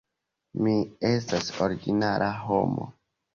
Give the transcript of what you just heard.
Mi estas ordinara homo.